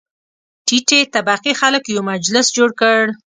ټیټې طبقې خلک یو مجلس جوړ کړ.